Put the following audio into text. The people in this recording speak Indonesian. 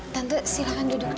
tante silahkan duduk